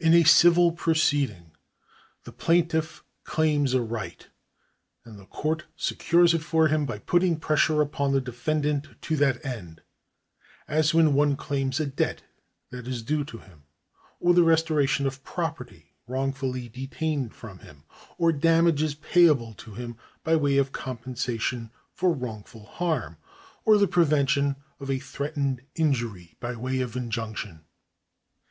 In a civil proceeding the plaintiff claims a right, and the court secures it for him by putting pressure upon the defendant to that end ; as when one claims a debt that is due to him, or the restoration of property wrongfully detained from him, or damages payable to him by way of compensation for wrongful harm, or the prevention of a threatened injury by way of injunction.